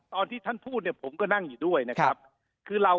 ตอนที่ท่านพูดเนี่ยผมก็นั่งอยู่ด้วยนะครับคือเรา